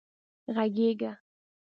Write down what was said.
غږېږه